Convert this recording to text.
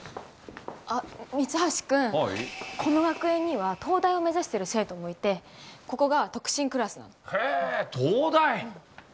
三橋君、この学園には東大を目指している生徒もいて、ここが特進クラスなへえ、東大？